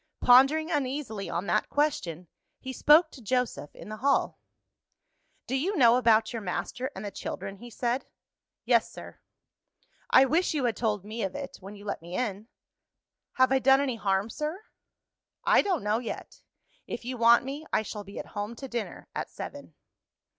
Pondering uneasily on that question, he spoke to Joseph in the hall. "Do you know about your master and the children?" he said. "Yes, sir." "I wish you had told me of it, when you let me in." "Have I done any harm, sir?" "I don't know yet. If you want me, I shall be at home to dinner at seven."